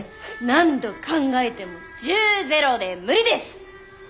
何度考えてもジューゼロで無理です！